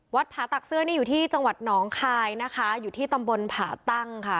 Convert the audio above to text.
ผาตักเสื้อนี่อยู่ที่จังหวัดหนองคายนะคะอยู่ที่ตำบลผาตั้งค่ะ